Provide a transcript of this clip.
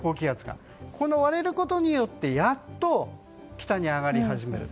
この割れることによってやっと北に上がり始める。